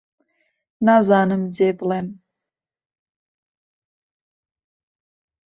نازانم جێ بڵێم